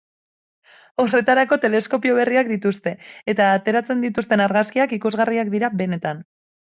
Horretarako teleskopio berriak dituzte, eta ateratzen dituzten argazkiak ikusgarriak dira benetan.